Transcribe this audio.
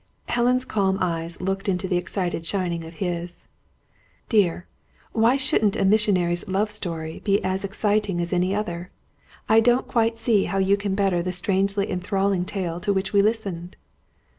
Helen's calm eyes looked into the excited shining of his. "Dear, why shouldn't a missionary's love story be as exciting as any other? I don't quite see how you can better the strangely enthralling tale to which we listened."